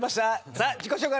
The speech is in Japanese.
さあ自己紹介